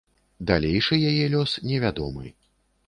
Далейшы яе лёс невядомы.